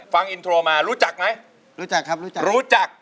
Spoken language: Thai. ฟังอินโทรมารู้จักไหมรู้จักครับรู้จักรู้จัก